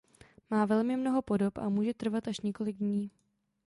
Má velmi mnoho podob a může trvat až několik dní.